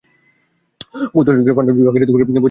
বহু দশক ধরে পাণ্ডুলিপি আকারে বইটি প্রচলিত ছিল।